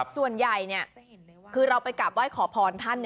ส่วนใหญ่คือเราไปกลับไหว้ขอพรท่าน